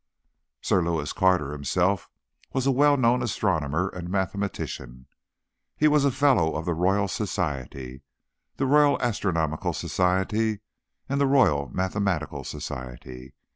Sir Lewis Carter himself was a well known astronomer and mathematician. He was a Fellow of the Royal Society, the Royal Astronomical Society and the Royal Mathematical Society.